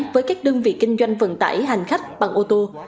với các đơn vị kinh doanh vận tải hành khách bằng ô tô